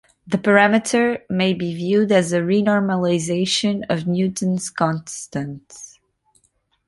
The parameter may be viewed as a renormalization of Newton's constant.